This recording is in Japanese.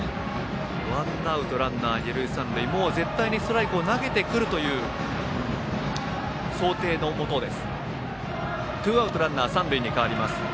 ワンアウトランナー、二塁三塁絶対にストライクを投げてくる想定のもとです。